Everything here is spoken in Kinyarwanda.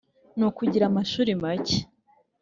Ni ukugira amashuri make